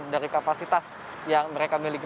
dari kapasitas yang mereka miliki